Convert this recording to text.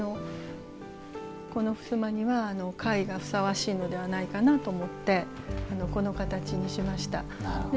この襖にはかいがふさわしいのではないかなと思ってこの形にしました。